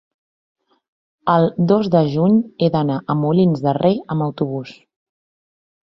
el dos de juny he d'anar a Molins de Rei amb autobús.